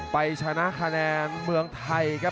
ไปชนะคะแนนเมืองไทยครับ